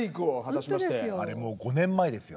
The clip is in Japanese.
あれもう５年前ですよ。